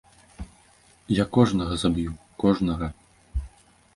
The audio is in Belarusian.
Я кожнага заб'ю, кожнага!